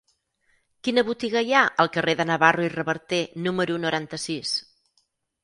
Quina botiga hi ha al carrer de Navarro i Reverter número noranta-sis?